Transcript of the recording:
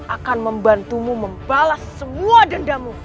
akan membantumu membalas semua dendamu